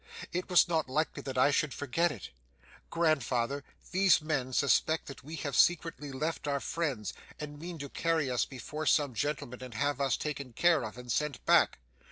It was not likely that I should forget it. Grandfather, these men suspect that we have secretly left our friends, and mean to carry us before some gentleman and have us taken care of and sent back.